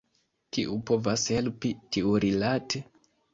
Kiu povas helpi tiurilate?